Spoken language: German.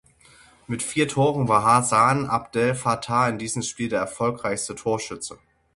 Mit vier Toren war Hassan Abdel Fattah in diesem Spiel der erfolgreichste Torschütze.